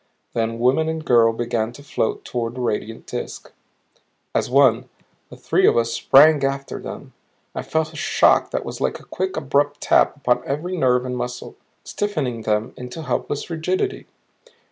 Then woman and girl began to float toward the radiant disk. As one, the three of us sprang after them. I felt a shock that was like a quick, abrupt tap upon every nerve and muscle, stiffening them into helpless rigidity.